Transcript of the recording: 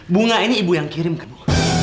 bunga ini ibu yang kirim kemu